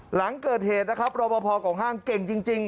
หลังเกิดเหตุนะครับรอบพอของห้างเก่งจริง